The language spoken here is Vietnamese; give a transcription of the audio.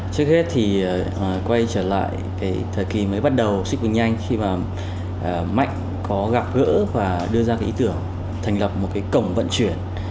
trước hết thì quay trở lại cái thời kỳ mới bắt đầu xip cực nhanh khi mà mạnh có gặp gỡ và đưa ra cái ý tưởng thành lập một cái cổng vận chuyển